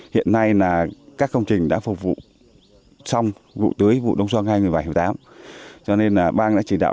hiện nay là các công trình đã phục vụ xong vụ tưới vụ đông so ngay một mươi bảy một mươi tám cho nên là bang đã chỉ đạo